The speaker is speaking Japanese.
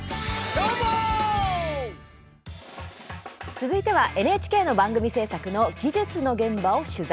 続いては、ＮＨＫの番組制作の技術の現場を取材。